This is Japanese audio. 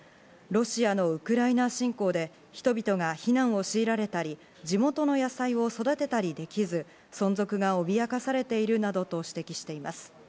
ロシアのウクライナ侵攻で人々が避難を強いられたり、地元の野菜を育てたりできず、存続が脅かされているなどと指摘されています。